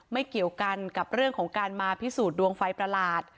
เกี่ยวกันกับเรื่องของการมาพิสูจน์ดวงไฟประหลาด